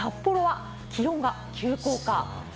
一方、札幌は気温が急降下。